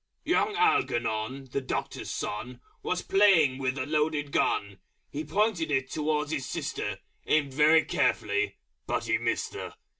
_ Young Algernon, the Doctor's Son, Was playing with a Loaded Gun. He pointed it towards his sister, Aimed very carefully, but Missed her!